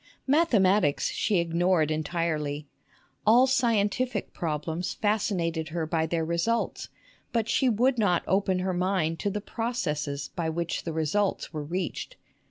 Mathematics she ignored entirely. All scientific problems fascinated her by their results; but she would not open her mind to the processes by which the results were reached.